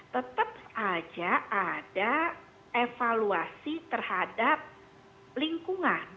tetap saja ada evaluasi terhadap lingkungan